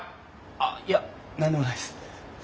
あっいや何でもないです。